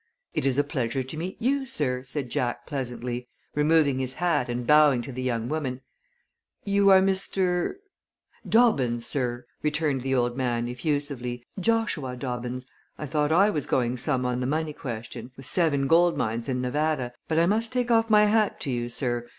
"It is a pleasure to meet you, sir," said Jack, pleasantly, removing his hat and bowing to the young woman. "You are Mr. " "Dobbins, sir," returned the old man, effusively. "Joshua Dobbins. I thought I was going some on the money question, with seven gold mines in Nevada, but I must take off my hat to you, sir.